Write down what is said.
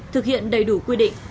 thực hiện đầy đủ quy định